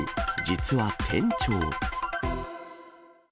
実は店長。